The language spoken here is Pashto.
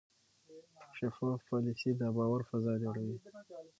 شفاف پالیسي د باور فضا جوړوي.